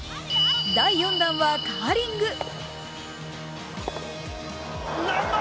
第４弾はカーリング。